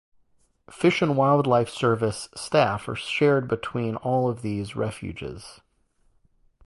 Fish and Wildlife Service staff are shared between all of these refuges.